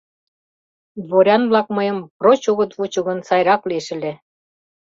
— Дворян-влак мыйым проч огыт вучо гын, сайрак лиеш ыле...